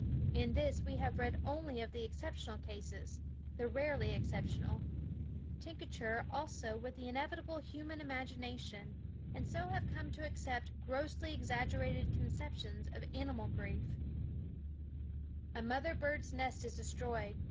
In this we have read only of the exceptional cases, the rarely exceptional, tinctured also with the inevitable human imagination, and so have come to accept grossly exaggerated concep tions of animal grief. W SCHOOL OF A mother bird's nest is destroyed.